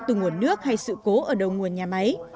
từ nguồn nước hay sự cố ở đầu nguồn nhà máy